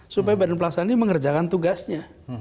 supaya badan pelaksanaan ini mengerjakan tugasnya